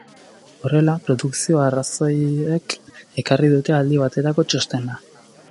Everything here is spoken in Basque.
Horrela, produkzio arrazoiek ekarri dute aldi baterako txostena.